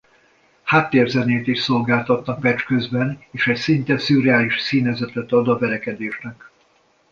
Háttérzenét is szolgáltatnak meccs közben és ez szinte szürreális színezetet ad a verekedésnek.